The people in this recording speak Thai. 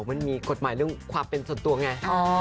มันมีกฎหมายเรื่องความเป็นส่วนตัวไง